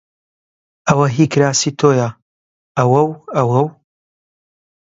ئەوە هیی کراسی تۆیە! ئەوە و ئەوە و